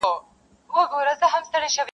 انسان لا هم زده کوي,